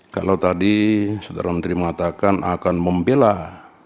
kalau tadi saudara menteri mengatakan akan membelah